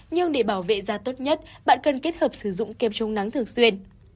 nhưng để bảo vệ da tốt nhất bạn cần kết hợp sử dụng kem chống nắng thường xuyên